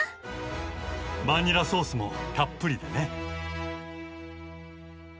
バニラソースもたっぷりでね。